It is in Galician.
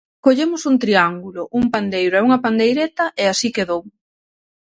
Collemos un triángulo, un pandeiro e unha pandeireta, e así quedou.